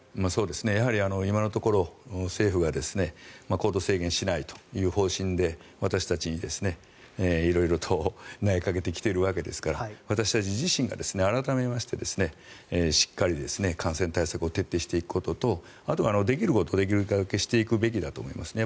やはり今のところ政府が行動制限しないという方針で私たちに色々と投げかけてきているわけですから私たち自身が改めましてしっかり感染対策を徹底していくこととあと、できることからしていくべきだと思いますね。